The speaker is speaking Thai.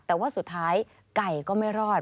แต่ว่าสุดท้ายไก่ก็ไม่รอด